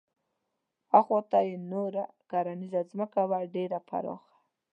اخواته یې نوره کرنیزه ځمکه وه ډېره پراخه.